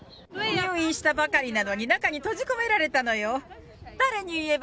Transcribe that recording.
入院したばかりなのに中に閉じ込められたのよ。